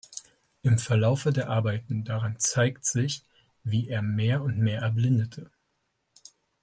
Im Verlaufe der Arbeiten daran zeigt sich, wie er mehr und mehr erblindete.